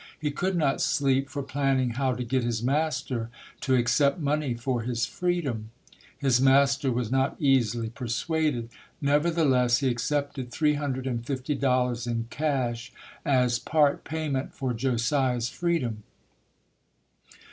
He could not sleep for planning how to get his master to accept money for his free dom. His master was not easily persuaded. Nev ertheless, he accepted three hundred and fifty dollars in cash as part payment for Josiah's JOSIAH HENSON [ 199 freedom.